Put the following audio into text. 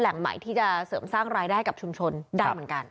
แหล่งใหม่ที่จะเสริมสร้างรายได้กับชุมชนได้เหมือนกัน